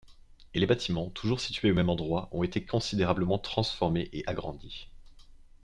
Et les bâtiments, toujours situés au même endroit, ont été considérablement transformés et agrandis.